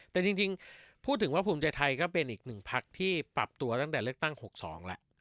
แต่จริงพูดถึงว่าภูมิใจไทยก็เป็นอีกหนึ่งพักที่ปรับตัวตั้งแต่เลือกตั้ง๖๒แล้ว